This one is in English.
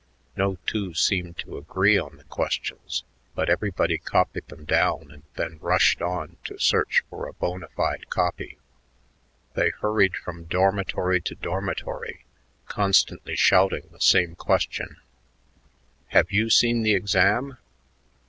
No two seemed to agree on the questions, but everybody copied them down and then rushed on to search for a bona fide copy. They hurried from dormitory to dormitory, constantly shouting the same question, "Have you seen the exam?"